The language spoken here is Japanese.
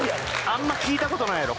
あんま聞いたことないやろ。